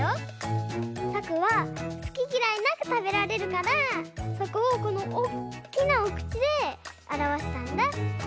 さくはすききらいなくたべられるからそこをこのおっきなおくちであらわしたんだ！